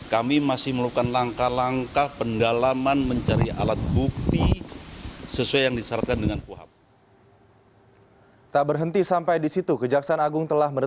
kami masih melakukan langkah langkah pendalaman mencari alat bukti sesuai yang disyaratkan dengan kuhap